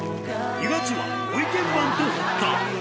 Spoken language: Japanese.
２月は、ご意見番と堀田。